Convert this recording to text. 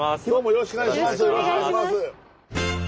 よろしくお願いします。